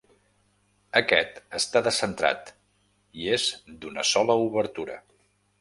Aquest està descentrat i és d'una sola obertura.